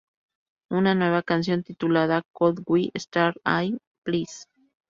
Una nueva canción titulada "Could We Start Again, Please?